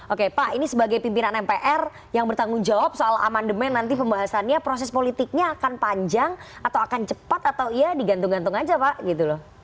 oke pak ini sebagai pimpinan mpr yang bertanggung jawab soal amandemen nanti pembahasannya proses politiknya akan panjang atau akan cepat atau ya digantung gantung aja pak gitu loh